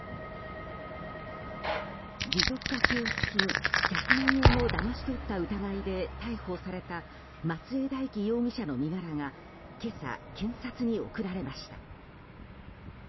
持続化給付金１００万円をだまし取った疑いで逮捕された松江大樹容疑者の身柄が今朝、検察に送られました。